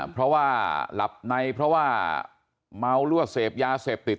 เพราะว่าหลับในเพราะว่าเมาหรือว่าเสพยาเสพติด